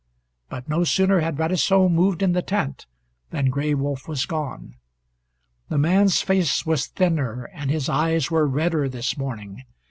But no sooner had Radisson moved in the tent than Gray Wolf was gone. The man's face was thinner, and his eyes were redder this morning.